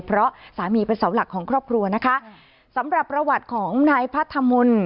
เพราะสามีเป็นเสาหลักของครอบครัวนะคะสำหรับประวัติของนายพัทธมนต์